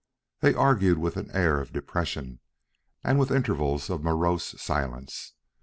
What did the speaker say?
They argued with an air of depression and with intervals of morose silence.